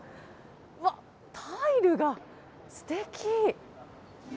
わっ、タイルがすてき。